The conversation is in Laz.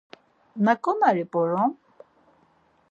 Naǩonari p̌orom?